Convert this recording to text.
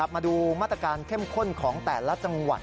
มาดูมาตรการเข้มข้นของแต่ละจังหวัด